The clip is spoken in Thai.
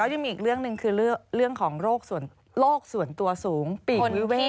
ยังมีอีกเรื่องหนึ่งคือเรื่องของโรคส่วนตัวสูงปิด